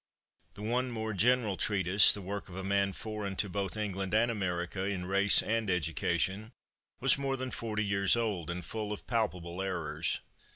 The one more general treatise, the work of a man foreign to both England and America in race and education, was more than 40 years old, and full of palpable errors.